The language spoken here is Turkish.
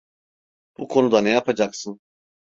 Bu konuda ne yapacaksın?